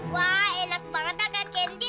wah enak banget kendi